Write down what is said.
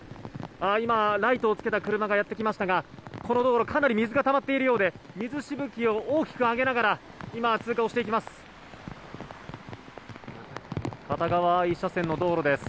今、ライトをつけた車がやってきましたがこの道路かなり水がたまっているようで水しぶきを大きく上げながら今、通過をしていきます。